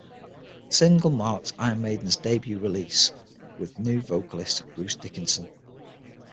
The single marked Iron Maiden's debut release with new vocalist Bruce Dickinson.